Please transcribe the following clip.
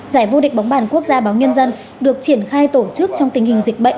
giải vô địch bóng bàn quốc gia báo nhân dân được triển khai tổ chức trong tình hình dịch bệnh